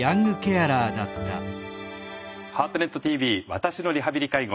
「ハートネットＴＶ私のリハビリ・介護」。